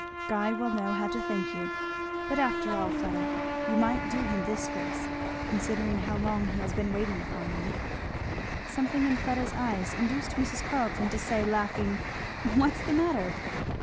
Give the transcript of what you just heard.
Guy will know how to thank you. But after all, Fleda, you might do him this grace considering how long he has been waiting upon you." Something in Fleda's eyes induced Mrs. Carleton to say, laughing, "What's the matter?"